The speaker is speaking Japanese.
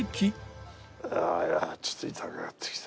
ああちょっと痛くなってきた。